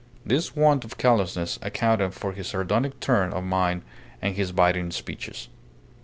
This want of callousness accounted for his sardonic turn of mind and his biting speeches.